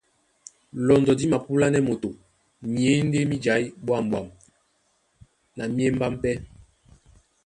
Lɔndɔ dí mapúlánɛ́ moto myěndé mí jaí ɓwâmɓwam na mí émbám pɛ́.